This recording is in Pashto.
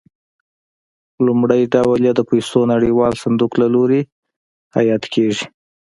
لومړی ډول یې د پیسو نړیوال صندوق له لوري حیات کېږي.